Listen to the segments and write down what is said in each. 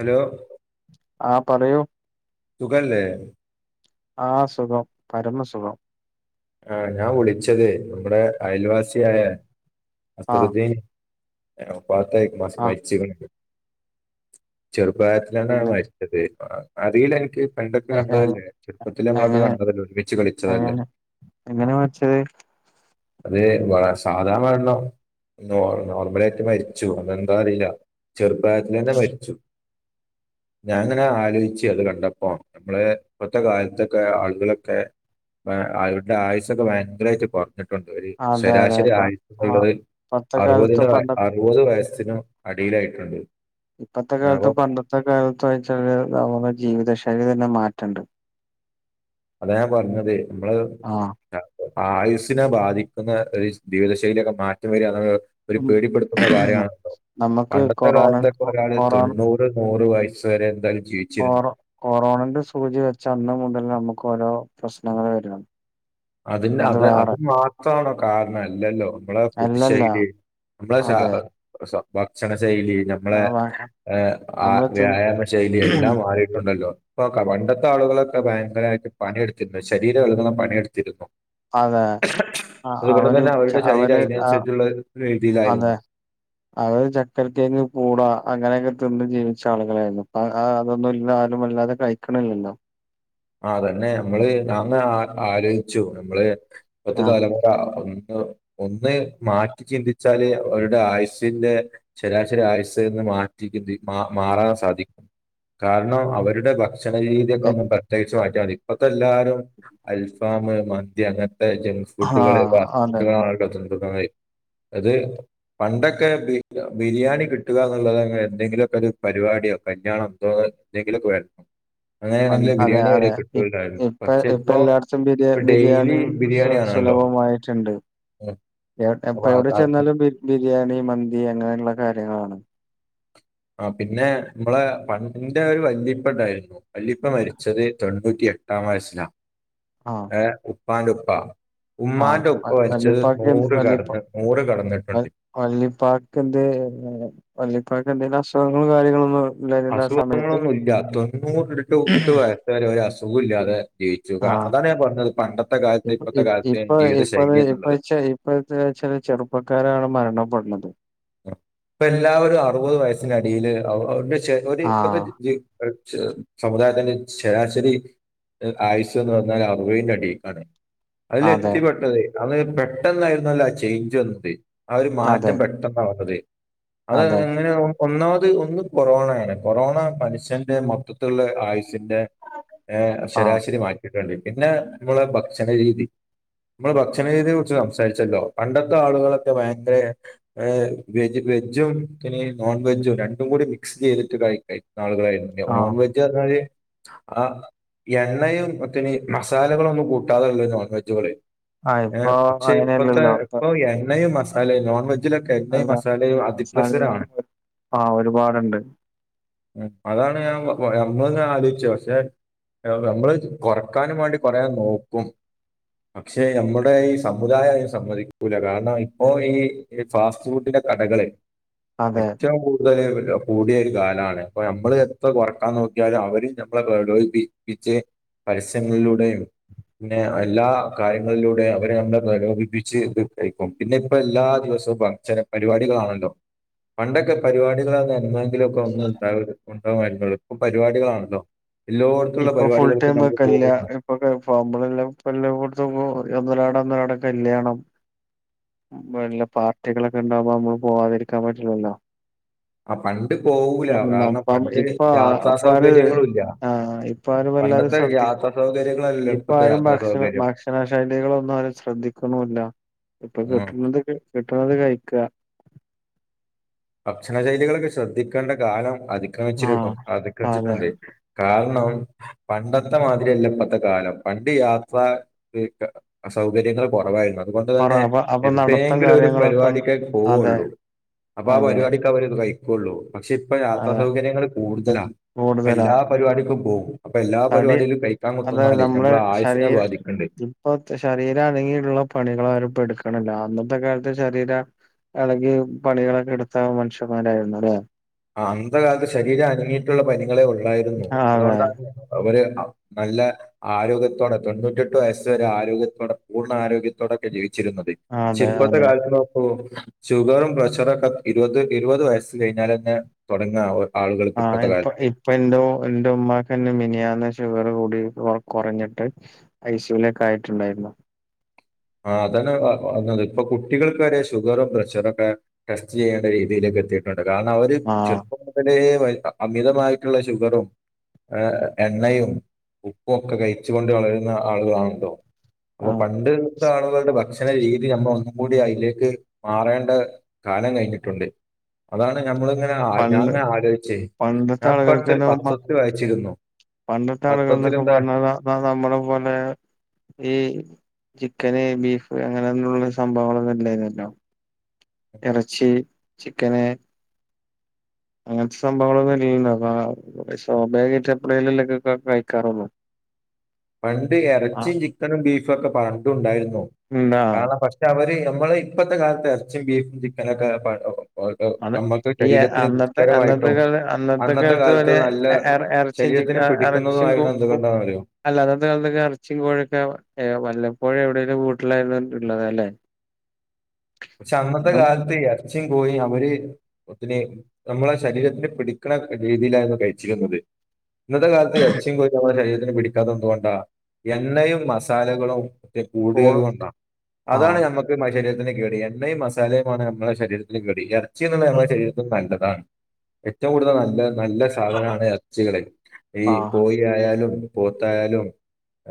Hello ആഹ് പറയൂ സഖല്ലേ ആഹ് സുഖം പരമസുഖം ആഹ് ഞാൻ വിളിച്ചത് നമ്മുടെ അയൽവാസിയായ ആ അസറുദ്ദീൻ പ്പത്ത മാസം ആ മര്ച്ചിക്ക്ണത് ചെറുപായത്തിലാണ് പിന്നെ മ അതെ അറില്ല അനക്ക് പണ്ടൊക്കെ എ എ കണ്ടതല്ലേ ചെറുപ്പത്തി നമ്മളൊക്കെ എങ്ങനെ കണ്ടതല്ലേ ഒരുമിച്ച് കളിച്ചതല്ലേ എങ്ങനെയാ മരിച്ചത് അത് സാധാരണ മരണം നോർമലായിട്ട് മരിച്ചു അത് എന്താ അറിയില്ല ചെറുപ്രായത്തിലന്നെ മരിച്ചു ഞാൻ അങ്ങനെ ആലോചിച്ചു അത് കണ്ടപ്പോ നമ്മള് ഇപ്പത്തെ കാലത്തൊക്കെ ആളുകളൊക്കെ. ആ, അവരുടെ ആയുസൊക്കെ ഭയങ്കരമായിട്ട് കൊറഞ്ഞ് അതെ അതെ ശരാശരി പ ആയുസ്സ് ആ എന്നുള്ളത് ഇപ്പത്തെ അറുപ കാലത്ത് പണ്ട അറുപത് വയസ്സിന് അടിയിലായിട്ടുണ്ട് ഇപ്പത്തെ അപ്പൊ കാലത്ത് പണ്ടത്തെ കാലത്ത വെച്ചാല് നമ്മുടെ ജീവിത ശൈലി തന്നെ മാറ്റണ്ട്. അത ഞാൻ പറഞ്ഞത് നമ്മള് ആ ആയുസിനെ ബാധിക്കുന്ന ഒരു ജീവിതശൈലിയൊക്കെ മാറ്റം വരിക ഒരു ഉം പേടിപ്പെടുത്തുന്ന കാര്യണല്ലോ നമുക്ക് പണ്ടത്തെ കൊറോണ കാലത്തൊക്കെ ഒരാള് കൊറോ തെണ്ണൂർ. തൊണ്ണൂർ നൂറ് വയസ്സ് വരെ എന്തായാലും ജീവിച്ചു കൊറോ കൊറോണന്റെ സൂചി വെച്ച അന്ന് മുതൽ നമുക്ക് ഓരോ പ്രശ്നങ്ങൾ വരണ് അതിന് അത് അത് മാത്രമാണോ കാരണം അല്ലല്ലോ. നമ്മളെ ഫുഡ് അല്ലല്ല ശൈലി നമ്മളെ അതെ ഭക്ഷണ ശൈലി നമ്മളെ ഹ ആ നമ്മള് തി വ്യായാമ ശൈലി എല്ലാം മാറിയിട്ടുണ്ടല്ലോ. നോക്ക പണ്ടത്തെ ആളുകളൊക്കെ ഭയങ്കരമായിട്ട് പണിയെടുത്തിരുന്നു ശരീര ഇളകോളം പണിയെടുത്തിരുന്നു അതെ ആ അതുകൊണ്ട അവര് തന്നെ അവരുടെ ച- ശരീരം അവര് ആ അതിനനുസരിച്ചുള്ള അതെ രീതിയിലായിരുന്നു അവര് ചക്കരക്കേങ്ങ് പൂളാ അങ്ങനെയൊക്കെ തിന്ന് ജീവിച്ച ആളുകളായിരുന്നു അ അതൊന്നും ഇല്ല ആരും വല്ലാതെ കഴിക്ക. ക്ണില്ലല്ലോ ആതന്നെ നമ്മള് അന്ന് ആ ആലോചിച്ചു നമ്മള് ഇപ്പത്തെ ആ തലമുറ ഒന്ന് ഒന്ന് മാറ്റി ചിന്തിച്ചാല് അവരുടെ ആയുസിന്റെ ശരാശരി ആയുസ്ൽ നിന്ന് മാറ്റ മാ മാറാൻ സാധിക്കും കാരണം അവരുടെ ഭക് ക്ഷണ രീതിയൊക്കെ എ- ഒന്ന് പ്രത്യേകിച്ച് മാറ്റിയാൽ മതി ഇപ്പൊക്ക എല്ലാരും അൽഫാം മന്തി അങ്ങനെ ജങ്‌സ് ആ ഫുഡുകള് ഫ അതെ ഫുഡക്കക്കുന്നത് അത് പണ്ടൊക്കെ ബിരിയാണി കിട്ടുക എന്നുള്ളത് എന്തെങ്കിലുമൊക്കെ ഒരു പരിപാടിയോ കല്യാണം എന്തോ എന്തെങ്കിലവരണം പ അങ്ങനെയാണെങ്കിൽ ബിരിയാണി അതെ വരെ ഇ കിട്ടൂലായിരുന്നു ഇപ്പ പക്ഷെ ഇപ്പ ഇപ്പൊ എല്ലായിടത്തും ബിരിയാ ഇപ്പൊ ഡെയിലി ബിരിയാണി ബിരിയാണി ആണല്ലോ സുലഭമായിട്ടുണ്ട് ഉം. എ അപ്പൊ അത് എവിടെ അത് ചെന്നാലും ബിരിയാണി മന്തി അങ്ങനെയുള്ള കാര്യങ്ങളാണ് ആ പിന്നെ നമ്മള ഫ്രണ്ടിന്റെ ഒരു വല്ലിപ്പണ്ടായിരുന്നു വല്ലിപ്പ മരിച്ചത് തൊണ്ണൂറ്റി എട്ടാം വയസ്സിലാണ് ആഹ ഏ ഉപ്പാനുപ്പ ഉമ്മാന്റെ ഉപ്പ് മരിച്ചത് വല്ലിപ്പാക്ക് നൂറ് വല്ലിപ്പ കടന്ന് നൂറ് കടന്നിട്ടുണ്ട് വല്ലിപ്പാക്ക് എന്ത വല്ലിപ്പാക്ക് എന്തെിലും അസുഖങ്ങളും കാര്യങ്ങളൊന്നും ഇല്ലായിരുന്ന ആ സമയത്ത് അസുഖങ്ങളൊന്നുമല്ല തൊണ്ണൂറ് എട്ട് എട്ട് വയസ്സ വരെ ഒരു അസുഖം ഇല്ലാതെ ജീവിച്ചു ആ അതാണ് ഞാൻ പറഞ്ഞത് പണ്ടത്തെ കാലത്ത് ഇപ്പ ഇപ്പത്തെ കാലത്ത ജീവിതശൈലി എന്നുള്ളത്. ഇപ്പോഴ ചില ചെറുപ്പക്കാരാണ് മരണപ്പെടുന്നത്. ഇപ്പ എല്ലാവരും അറുപത് വയസ്സിനടിയില് ചെലോൽ ഇപ്പത്തെ ആഹ് സമുദായത്തിൻ്റെ ശരാശരി ആയുസ് എന്ന് പറഞ്ഞാൽ അറുവതിന്റെ അടിക്കാണ് അതില അതെ എത്തിപ്പെട്ടത് അന്ന് പെട്ടെന്നായിരുന്നല്ലോ ആ ചേഞ്ച് വന്നിട്ട് ആ ഒരു മാറ്റം അതെ പെ ആ അതെ അത് അതെ എങ്ങനെയ ഒന്നാമത് ഒന്ന് കൊറോണയാണ് കൊറോണ മനുഷ്യന്റെ മൊത്തത്തിൽള്ള ആയുസിന്റെ ഏഹ് ആഹ് ശെരാശരി മാറ്റിട്ട്ണ്ട് പിന്നെ നമ്മളെ ഭക്ഷണ രീതി നമ്മള് ഭക്ഷണ രീതിയെ കുറിച്ച് സംസാരിച്ചല്ലോ പണ്ടത്തെ ആളുകളൊക്കെ ഭയങ്കര ഏഹ് വെജ് വെജും പിന്നെയീ നോൺ വെജും രണ്ടും കൂടി മിക്സ് ചെയ്തിട്ട് കഴി കഴിക്കുന്ന ആളുകളായിരുന്നു. ആഹ് നോൺ വെജ്ജാർഞ്ഞാല് ആഹ് എണ്ണയും [unintelligible] മസാലകളൊന്നും കൂട്ടാതെള്ള നോൺ വെജുകള്. ആഹ് ഏഹ് ഇപ്പൊ പക്ഷെ ഇപ്പത്തെ അങ്ങനെയല്ലല്ലോ ഇപ്പൊ ഇപ്പം എണ്ണയും മസാലയും നോൺ വെ ക്കെണ്ണയും അല്ല മസാലയും അവസാനം അതിപ്രസര ആണ്. ഒരു ആഹ് ഒരുപാടുണ്ട് അതാണ് ഞാൻ നമ്മളിങ്ങനെ ആലോയ്ച്ചു പക്ഷെ ഏഹ് നമ്മള് കൊറക്കാനും വേണ്ടി കൊറേ നോക്കും. പക്ഷേ നമ്മടെ ഈ സമുദായതിന് സമ്മതിക്കൂല കാരണം ഇപ്പോ ഈ ഈ ഫാസ്റ്റ് ഫുഡിന്റെ കടകള് അതെ ഏറ്റവും കൂ ടുതല് [unintelligible] കൂടിയ ഒരു കാലാണ്. അപ്പയമ്മള് എത്ര കൊറക്കാൻ നോക്കിയാലും അവര് ഞമ്മളെ പ്രോലോയിപ്പിച്ച് പരസ്യങ്ങളിലൂടെയും പിന്നെ അല്ലാ കാര്യങ്ങളിലൂടെ അവര് നമ്മളെ പ്രലോഭിപ്പിച്ച് വിട്ടയ്ക്കും. പിന്നെ ഇപ്പ എല്ലാ ദിവസ വും [unintelligible] പരിപാടികളാണല്ലോ. പണ്ടക്കെ പരിപാടികളാന്ന് എന്നെങ്കിലൊക്കെ ഒന്ന്ണ്ടാവുള്ളൂ. [unintelligible] ഇപ്പം പരിപാടികളാണല്ലോ. എല്ലോട്ത്തുള്ള പരിപാടികൾക്കും ഞമ്മള് പോകുംന്ന് ഇപ്പൊക്കെ [unintelligible] എല്ലോട്ത്തുപ്പം ഒന്നൊരാട ഒന്നരാടക്കെല്യാണം വല്ല പാർട്ടികളക്കെണ്ടാകുമ്പ അമ്മള് പോവാതിരിക്കാൻ പറ്റില്ലല്ലോ. അപ്പ പ്പം ഇപ്പ യാത്രാ അപ്പാര് സൗകര്യങ്ങളും ഇല്ല ആഹ് ഇപ്പാര് വല്ലാതെ ശ്രദ്ധിക്കും. സൗകര്യങ്ങള ഇപ്പാരും ഭക്ഷണ ഭക്ഷണ ശൈലികളൊന്നും ആരു ശ്രദ്ധിക്ക്‌ണുല്ല. ഇപ്പം ഉം കിട്ട്ണത് കിട്ട്ണത് കഴിക്ക. ഭക്ഷണശൈലികളക്കെ ശ്രദ്ധിക്കണ്ട കാലം അതിക്രമിച്ചിരിക്കും ആഹ് അതെ അതിക്രമിച്ചിട്ടുണ്ട്. കാര്ണം പണ്ടത്തെ മാതിരിയല്ലപ്പത്തെ കാലം പണ്ട് യാത്ര സൗകര്യങ്ങൾ കൊറവായിരുന്നു അതുകൊണ്ട് പറ തന്നെ അപ്പൊ അപ്പൊ നടത്തം എപ്പേങ്കിലും ഒരു കാര്യങ്ങളൊക്കെ ഉണ്ട്. പരിവാടിക്കേ അതെ പോവുള്ളൂ. അപ്പാ അതെ പരിവാടിക്കവരത് കഴിക്കുള്ളൂ. പക്ഷെ ഇപ്പ യാത്രാ അതെ സൗകര്യങ്ങള് കൂടുതലാ കൂടുതലാ അപ്പെല്ലാ പരിവാടിക്കും പോവും. അപ്പ എല്ലാ തടി പരിവാടിയിലും കഴിക്കാൻ കുത്രന്നാലേ നമ്മള ആയുസിനെ ബാധിക്ക്ണ്ട്. ഇപ്പം ശരീര അനങ്ങിട്ടുള്ള പണികളാരും ഇപ്പെട്ക്ക്‌ണില്ല. അന്നത്തെ കാലത്ത് ശരീര എളകി പണികളക്കെ എടുത്ത മനുഷ്യന്മാരായിരുന്നുലേ? ആഹ് അന്നത്തെ കാലത്ത് ശരീര അനങ്ങിയിട്ടുള്ള പണികളെ ഒള്ളായിരുന്നു അതെ അതുകൊണ്ടാണ് അവര് നല്ല ആരോഗ്യത്തോടെ തൊണ്ണൂറ്റെട്ട് വയസ്സ് വരെ ആരോഗ്യത്തോടെ പൂർണ്ണ ആരോഗ്യത്തോടൊക്കെ ജീവിച്ചിരുന്നത്. അതെ ച്ചിപ്പത്തെ അതെ കാലത്ത് നോക്കൂ ഷുഗറും പ്രഷറൊക്കെ ഇരുവത് ഇരുവത് വയസ് കഴിഞ്ഞാലന്നെ തൊടങ്ങാവ ആഹ് ഇപ്പ ഇ ഇപ്പൻറ്റൂ ഇന്റെമ്മാക്കന്നെ മിനിയാന്ന്‌ ഷുഗറ് കൂടി കൊറഞ്ഞിട്ട് ഐസുയിലെക്കായിട്ടുണ്ടായിരുന്നു. ആഹ് അതാണ് പർഞ്ഞത് ഇപ്പൊ കുട്ടികൾക്ക് വരെ ഷുഗറും പ്രഷറക്കെ ടെസ്റ്റ് ചെയ്യേണ്ട രീതിയിലേക്ക് എത്തിയിട്ടൊണ്ട് കാരണം അവര് ആഹ് ചെർപ്പം ത്തിലെ അമിതമായിട്ടുള്ള ഷുഗറും ഏഹ് എണ്ണയും ഉപ്പു ഒക്കെ കഴിച്ചു കൊണ്ട് വളരുന്ന ആളുകളാണല്ലോ അപ്പ ആഹ് പണ്ട്ത്ത ആളുകളുടെ ഭക്ഷണ രീതി നമ്മളൊന്ന്‌ കൂടി അയിലേക്ക് മാറേണ്ട കാലം കഴിഞ്ഞിട്ടുണ്ട്. അതാണ് ഞമ്മളിങ്ങനെ ആ പണ്ട് ഞാൻങ്ങനെ ആലോയ്ച്ചേ പണ്ടത്തെ ഞാൻ ഇപ്പട്ത്തൊരു ആളുകൾക്കന്നെ മ പത്രത്തി വായിച്ചിരുന്നു. പണ്ടത്തെ ആളുകൾ പത്രത്തിൽ ന്നൊക്കെ എന്താ പർഞ്ഞാ ത നമ്മള പോലെ ഈ ചിക്കന്, ബീഫ് അങ്ങനൊന്നുള്ള സംഭവങ്ങളൊന്നു ഇല്ലായിന്നല്ലോ? എറച്ചി, ചിക്കന് അങ്ങൻത്തെ സംഭവങ്ങളൊന്നും ലീവ് [unintelligible] സ്വഭാവികായിട്ട് എപ്പളേലു അല്ലെ ക കഴിക്കാറുള്ളു. പണ്ട് എറച്ചിം ചിക്കനും ബീഫും ഒക്കെ പണ്ടു ഉണ്ടായിരുന്നു. ഉണ്ടാ കാരണം പ ക്ഷ അവര് നമ്മള് ഇപ്പത്തെ കാലത്ത് എറച്ചിം ബീഫും ചിക്കന് ഒക്കെ പ പ- പ- അതെ നമുക്ക് ഈ ശരീരത്തിന് അന്നത്തെ, അന്നത്തെ ദുഷ്കരമായിട്ടും കാല അന്നത്തെ കാലത്ത് വെരെ എറ എറ ച്ചി, ശരീരത്തിന് ചിക്കനും എറച്ചിം കു പിടിക്കുന്നതുമായിരുന്നു കു എന്തുകൊണ്ടാണെന്ന് അറിയോ അല്ല അന്നത്തെ കാലത്തൊക്കെ എറച്ചിം കോഴൊക്കെ ഏഹ് വല്ലപ്പോഴെ എവിടെലും വീട്ടിലായിര്ന്നു ഇള്ളത് അല്ലേ? പക്ഷെ, അന്നത്തെ അന്നും കാലത്ത് എറച്ചിം കോഴിം അവര് അപ്പോത്തിന് നമ്മളെ ശരീരത്തിന് പിടിക്ക്ണ രീതിയിലായിരുന്നു കഴിച്ചിരുന്നത്. ഇന്നത്തെ കാലത്ത് എറച്ചിം കോഴി ഒക്കെ നമ്മള ശരീരത്തിന് പിടിക്കാത്തത് എന്തുകൊണ്ടാ? എണ്ണയും മസാലകളും കോ കൂടിയത് കൊണ്ടാ, അതാണ് ആഹ് നമക്ക് മനുഷ്യ ശരീരത്തിന് കേട്. എ എണ്ണയും മസാലയുമാണ് നമ്മളെ ശരീരത്തിന് കേട്. എറച്ചി ന്ന്ള്ളെ ആഹ് നമ്മളെ ശരീരത്തിന് നല്ലതാണ്. ഏറ്റവും കൂടുതൽ നല്ല നല്ല സാധന ആണ് എറച്ചികള്. ഈ കോഴി യായാലും പോത്തായാലും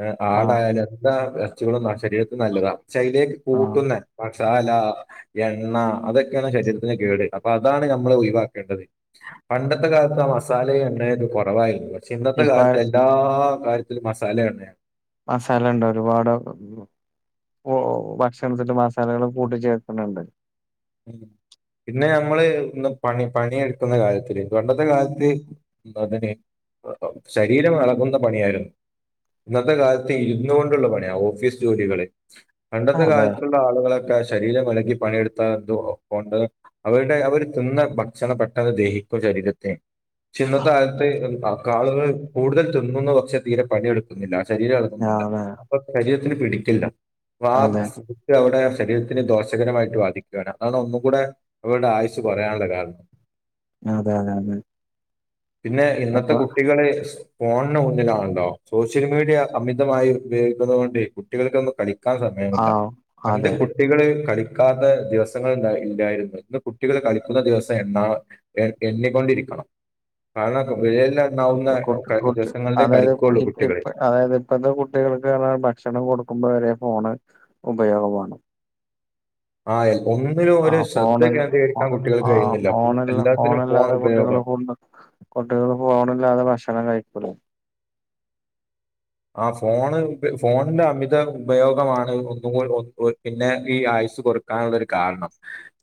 ഏഹ് ആഹ് ആടായാലും എല്ലാ എറച്ചികളും ശരീരത്തിന് നല്ലതാണ്. പക്ഷെ അയിലേക്ക് ആഹ് കൂട്ടുന്ന മസാലാ, എണ്ണ അതൊക്കെയാണ് ശരീരത്തിന് കേട്. അപ്പ അതാണ് നമ്മള് ഒഴിവാക്കേണ്ടത്. പണ്ടത്തെ കാലത്ത് ആ മസാലയും എണ്ണയും ഒക്കെ കൊറവായിര്ന്ന്. പക്ഷെ, ഇന്നത്തെ ഇപ്പ കാലത്ത് എല്ലാ കാര്യത്തിലും മസാലേ എണ്ണയാ മസാലണ്ട് ഒരുപാട് പൊടികളും ഇപ്പോ ഭക്ഷണത്തിന് മസാലകള് കൂട്ടിച്ചേർക്ക്ന്നുണ്ട്. പിന്നെ നമ്മള് ഇന്ന് പണി, പണി എടുക്കുന്ന കാര്യത്തില് പണ്ടത്തെ കാലത്ത് എന്തോത്തിന് ശരീരം എളകുന്ന പണിയായിരുന്നു. ഇന്നത്തെ കാലത്ത് ഇര്ന്നു കൊണ്ടുള്ള പണിയാ ഓഫീസ് ജോലികള്. പണ്ടത്തെ അതെ കാലത്തുള്ള ആളുകളൊക്കെ ശരീരം എളകി പണിയെടു ത്തതു കൊണ്ടെന്ന് അവരുടെ അവര് തിന്ന ഭക്ഷണം പെട്ടെന്ന് ദഹിക്കും ശരീരത്തെ പക്ഷെ, ഇന്നത്തെ കാലത്ത് ഒക്ക ആളുകൾ കൂടുതൽ തിന്നുന്ന പക്ഷെ തീരെ പണിയെടുക്ക് ന്നില്ല. ശരീരം എളക്കുന്നില്ല അതെ അപ്പൊ ശരീരത്തിന് പിടിക്കില്ല അപ്പ ആ അതെ സ് ഇത് അവിടെ ശരീരത്തിന് ദോഷകരമായിട്ട് ബാധി ക്ക് ആണ്. അതാണ് ഒന്നും കൂടെ അവരുടെ ആയുസ് കൊറയാള്ള കാരണം. അതെ, അതെ, അതെ പിന്നെ, ഇന്നത്തെ അപ്പൊ കുട്ടികള് ഫോണിന് മുന്നിലാണല്ലോ? സോഷ്യൽ മീഡിയ അമിതമായി ഉപയോഗിക്കുന്നത് കൊണ്ട് കുട്ടികൾക്കൊന്നും കളി ക്കാൻ സമയമില്ല. ആഹ് പണ്ട് അതെ കുട്ടികള് കളിക്കാതെ ദിവസങ്ങൾ ഇണ്ടാ ഇല്ലായിരുന്നു. ഇന്ന് കുട്ടികൾ കളിക്കുന്ന ദിവസം എണ്ണാ എ എണ്ണിക്കൊണ്ടിരിക്കണം. കാരണം വെര്ലെണ്ണാവുന്ന കുട്ടി ക കുട്ടി ദിവസങ്ങളിലേ അതായത് കളിക്കൊള്ളൂ ഇ ഇപ്പ കുട്ടികള്. അതായത് ഇപ്പത്തെ കുട്ടികൾക്ക് പറഞ്ഞാൽ ഭക്ഷണം കൊടുക്കുമ്പോ വരെ ഫോണ് ഉപയോഗമാണ്. ആ എൽ- ഒന്നിലും ആ ഒരു ശ്രദ്ധ ഫോണിൽ കേന്ദ്രീകരിക്കാൻ കുട്ടികൾക്ക് ആ കഴിയുന്നില്ല ഫുൾ ഫോണല്ല എല്ലാത്തിനും ഫോൺ ഫോണല്ലാതെ കുട്ടികളെ ഉപയോഗം കൊണ്ട് കുട്ടികള് ഫോണില്ലാതെ ഭക്ഷണം കഴിക്കൂല. ആ ഫോണ് ഇപ്പ ഫോണിന്റെ അമിത ഉപയോഗമാണ് ഒന്നും കൂടി ഒ ഒ പിന്നെ ഈ ആയുസ് കൊറ ക്കാള്ളൊരു കാരണം.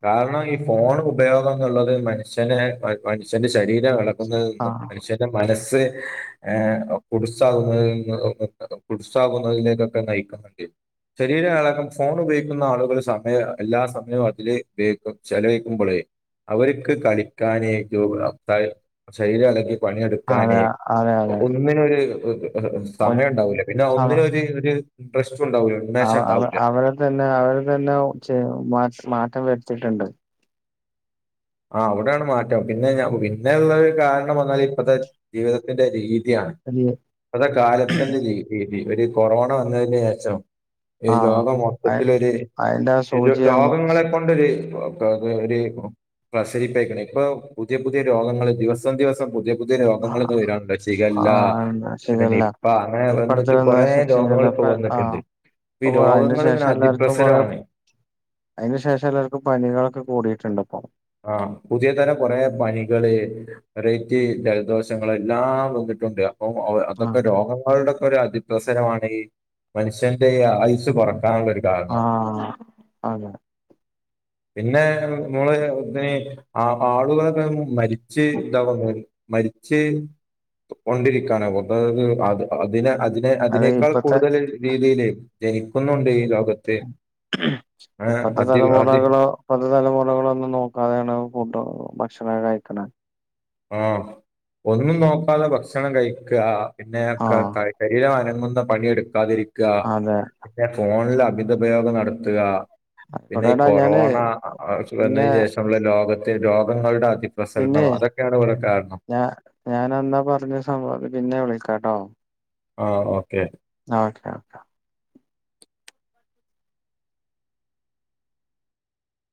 കാരണം ഈ ഫോണ് ഉപയോഗം എന്ന് ഇള്ളത് മനുഷ്യന് മനുഷ്യന്റെ ശരീരം എള കുന്നെ ആ എന്നും മനുഷ്യന്റെ മനസ്സ് ഏഹ്, കുട്സ്സാവുന്നത് [unintelligible] കുടുസ്സാകുന്നതിലേക്കൊക്കെ നയിക്കുന്നുണ്ട്. ശരീരം എളകും, ഫോണ് ഉപയോഗിക്കുന്ന ആളുകള് സമയ എല്ലാ സമയവും അതില് ഉപയോഗിക്കും ചെലവഴിക്കുമ്പെളെ അവര്ക്ക് കളിക്കാനേ [unintelligible] ശരീരം എളകി പണിയെടുക്കാനെ അതെ അതെ അതെ ഒന്നിനൊര് [unintelligible] സമയം ഉണ്ടാവൂല്ല പിന്നെ ഒന്നിനൊരു ഒര് ട്രസ്റ്റും ഉണ്ടാവൂല അവ അവ അവരെ തന്നെ അവരെ തന്നെ ച്ചെ മാറ്റം വരുത്തിട്ടുണ്ട് ആഹ് അവിടെണ് മാറ്റം പിന്നെഞ പിന്നെള്ള ഒരു കാരണംന്നാല് ഇപ്പത്തെ ജീവിതത്തിന്റെറെ രീതിയാണ് അതെ ഇപ്പത്തെ കാലത്തിന്റെ രീതി ഒരു കൊറോണ വന്നതിന് ശേഷം ഈ ആ ലോകം മൊത്തത്തിലൊരു അതിന്റെ ആ സൂചി രോഗങ്ങളെകൊണ്ടൊരു രോഗ ഒര് പ്രസരിപ്പയിക്കണ് ഇപ്പൊ പുതിയ പുതിയ രോഗങ്ങൾ ദിവസം ദിവസം പുതിയ പുതിയ രോഗങ്ങളന്ന വരുണ്ട് ആ ശികല്ല പിന്നെ ശരിയല്ല നിപ്പ അങ്ങനെ ഇപ്പടുത്ത് വന്നിട്ട് വന്ന കൊറേ രോഗങ്ങ ശരിയല്ല ഇപ്പോ ഇപ്പ ആ വന്നിട്ടുണ്ട് ഈ അപ്പൊ അതിന് രോഗങ്ങളിങ്ങനെ ശേഷം എല്ലാർക്കും കൊറെ അതിപ്രസരമാണ് അതിന് ശേഷം എല്ലാവർക്കും പനികളൊക്കെ കൂടിയിട്ടുണ്ട് അപ്പൊ ആഹ് പുതിയ തരം കൊറെേ പനികള് വെറൈറ്റി ജലദോഷങ്ങൾ എല്ലാം വന്നിട്ടുണ്ട് അപ്പൊ അതൊക്കെ രോഗങ്ങളുടെ ഒരു അതിപ്രസരമാണ് ഈ മനുഷ്യന്റെ ആയുസ് കൊറക്കാനുള്ളൊരു ആഹ് അതെ പിന്നെ നമ്മള് പിന്നെ ആളുകളൊക്കെ മരിച്ച് ഇതാവാ മരിച്ച് കൊണ്ടിരിക്കാണ് അതായത് അത് അതിനെ അ അത് അതിനേക്കാൾ ഇപ്പത്തെ കൂടുതൽ രീതിയിൽ ജനിക്കുന്നുണ്ട് ഈ ലോകത്ത് ഏ, ഇപ്പത്തെ അതി അതി തലമുറകളോ ഇപ്പതു തലമുറകളൊന്നും നോക്കാതെയാണ് ഫുഡ് ഭക്ഷണം കഴിക്കണ ആഹ് ഒന്നും നോക്കാതെ ഭക്ഷണം കഴിക്ക പിന്നെക്ക ആഹ് ത ശരീരം അനങ്ങുന്ന പണിയെടുക്കാതിരിക്കുക അതെ പിന്നെ ഫോണിൽ അമിത ഉപയോഗം നടത്തുക പിന്നെ ഈ ആയിക്കോട്ടെടാ ഞാന് കൊറോണ പിന്നെ വന്നതിന് ശേഷം നമ്മുടെ ലോകത്തെ രോഗങ്ങളുടെ അതിപ്രസരണം അതൊക്കെയാണ് ഇവിടെ കാരണം ഞാൻ ഞാൻന്നാ പറഞ്ഞ സംഭവത്തി പിന്നെ വിളിക്കാട്ടോ ആഹ് ഓക്കെ ഓക്കെ ഓക്കെ